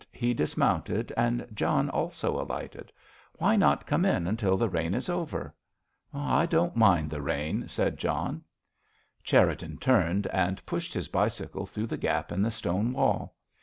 He dismounted, and John also alighted. "Why not come in until the rain is over?" "I don't mind the rain," said John. Cherriton turned and pushed his bicycle through the gap in the stone wall.